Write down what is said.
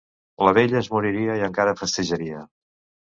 La vella es moriria i encara festejaria.